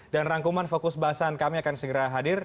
dan rangkuman fokus bahasan kami akan segera hadir